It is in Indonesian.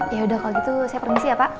yaudah kalau gitu saya permisi ya pak